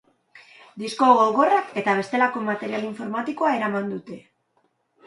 Disko gogorrak eta bestelako material informatikoa eraman dute.